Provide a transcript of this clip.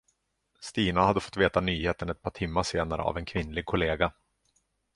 Stina hade fått veta nyheten ett par timmar senare av en kvinnlig kollega.